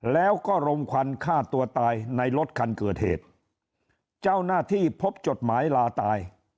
แล้วก็รมควันฆ่าตัวตายในรถคันเกิดเหตุเจ้าหน้าที่พบจดหมายลาตาย